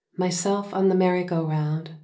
MYSELF ON THE MERRY GO ROUND.